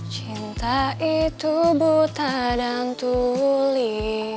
cinta itu buta dan tuli